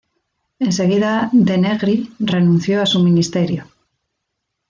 Enseguida Denegri renunció a su ministerio.